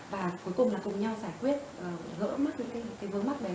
và cuối cùng là cùng nhau giải quyết gỡ mắt được cái vớ mắt đấy